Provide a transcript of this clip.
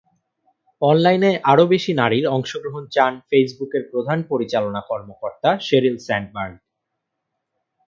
অনলাইনে আরও বেশি নারীর অংশগ্রহণ চান ফেসবুকের প্রধান পরিচালনা কর্মকর্তা শেরিল স্যান্ডবার্গ।